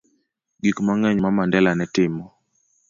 Gik mang'eny ma Mandela ne timo